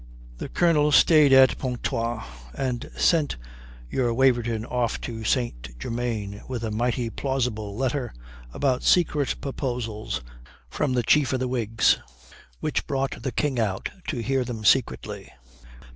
"The Colonel stayed at Pontoise and sent your Waverton off to St. Germain with a mighty plausible letter about secret proposals from the chiefs of the Whigs, which brought the King out to hear them secretly.